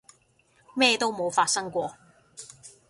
咩都冇發生過